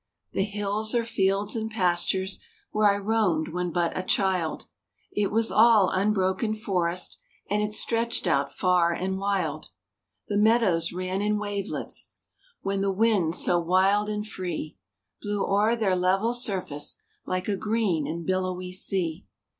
The hills are fields and pastures Where I roamed when but a child; It was all unbroken forest, And it stretched out far and wild. The meadows ran in wavelets, When the wind so wild and free Blew o'er their level surface Like a green and billowy sea.